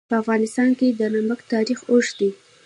په افغانستان کې د نمک تاریخ اوږد دی.